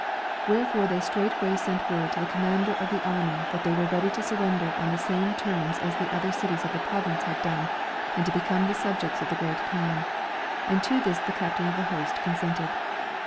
'* Wherefore they straightway sent word to the commander of the army that they were ready to surrender on the same terms as the other cities of the province had done, and to become the subjects of the Great Kaan ; and to this the captain of the host consented.